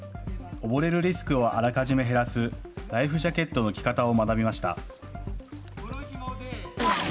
溺れるリスクをあらかじめ減らすライフジャケットの着方を学びました。